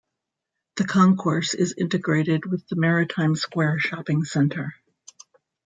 The concourse is integrated with the Maritime Square shopping centre.